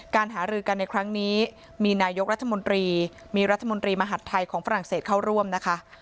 การหารือกันในครั้งนี้มีนายกรัฐมนตรีมีรัฐมนตรีมหาดไทยของฝรั่งเศสเข้าร่วมนะคะ